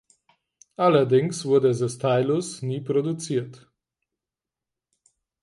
Allerdings wurde "The Stylus" nie produziert.